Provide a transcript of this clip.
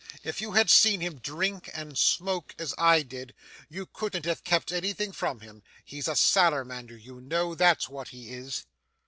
If you had seen him drink and smoke, as I did, you couldn't have kept anything from him. He's a Salamander you know, that's what he is.